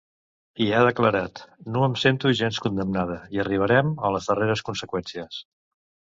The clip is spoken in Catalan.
I ha declarat: No em sento gens condemnada i arribarem a les darreres conseqüències.